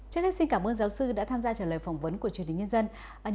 chắc hẳn xin cảm ơn giáo sư đã tham gia trả lời phỏng vấn của truyền hình nhân dân